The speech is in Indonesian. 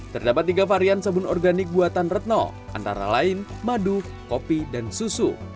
terdapat tiga varian sabun organik buatan retno antara lain madu kopi dan susu